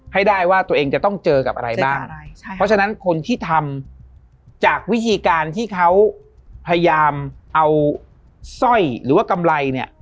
ให้ได้ว่าตัวเองจะต้องเจอกับอะไรบ้างเพราะฉะนั้นคนที่ทำจากวิธีการที่เขาพยายามเอาสร้อยหรือว่ากำไรเนี่ย